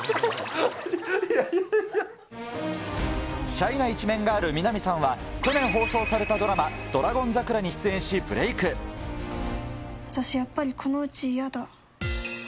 シャイな一面がある南さんは、去年放送されたドラマ、ドラゴン桜に出演し、私やっぱり、このうち嫌だ。